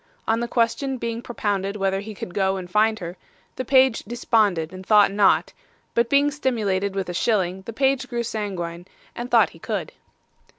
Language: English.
On the question being propounded whether he could go and find her, the page desponded and thought not; but being stimulated with a shilling, the page grew sanguine and thought he could.